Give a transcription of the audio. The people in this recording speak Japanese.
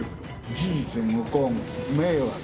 事実無根、迷惑。